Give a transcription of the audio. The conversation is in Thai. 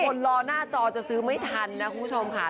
รอหน้าจอจะซื้อไม่ทันนะคุณผู้ชมค่ะ